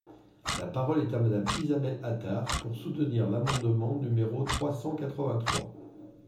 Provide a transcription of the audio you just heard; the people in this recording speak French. La parole est à Madame Isabelle Attard, pour soutenir l’amendement numéro trois cent quatre-vingt-trois.